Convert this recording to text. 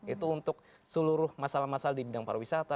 itu untuk seluruh masalah masalah di bidang pariwisata